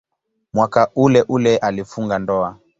Mwaka uleule alifunga ndoa.